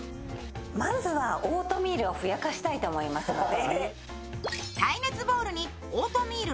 まずは、オートミールをふやかしたいと思いますので。